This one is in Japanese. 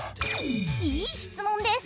いい質問です！